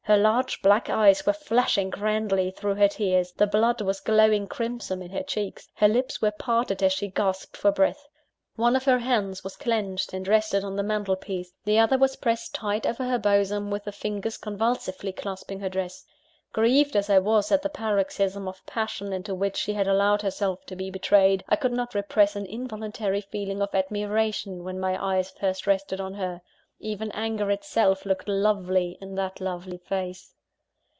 Her large black eyes were flashing grandly through her tears the blood was glowing crimson in her cheeks her lips were parted as she gasped for breath. One of her hands was clenched, and rested on the mantel piece; the other was pressed tight over her bosom, with the fingers convulsively clasping her dress. Grieved as I was at the paroxysm of passion into which she had allowed herself to be betrayed, I could not repress an involuntary feeling of admiration when my eyes first rested on her. Even anger itself looked lovely in that lovely face!